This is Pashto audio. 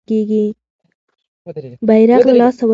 بیرغ له لاسه ولوېد.